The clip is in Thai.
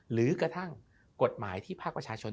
หรือกระถที่ภาคประชาชน